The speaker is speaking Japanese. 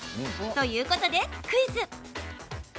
ということで、クイズ。